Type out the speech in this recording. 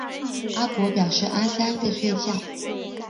阿伯表示阿三在睡觉